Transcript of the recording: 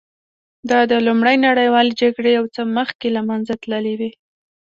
دا د لومړۍ نړیوالې جګړې یو څه مخکې له منځه تللې وې